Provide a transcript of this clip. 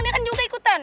dia kan juga ikutan